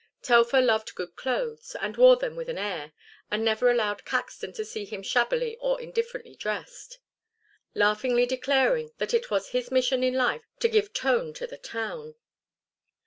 Telfer loved good clothes and wore them with an air, and never allowed Caxton to see him shabbily or indifferently dressed, laughingly declaring that it was his mission in life to give tone to the town.